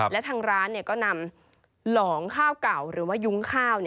และทางร้านก็นำหลองข้าวเก่าหรือว่ายุ้งข้าว